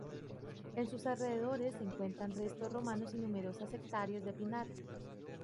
En sus alrededores se encuentran restos romanos y numerosas hectáreas de pinar.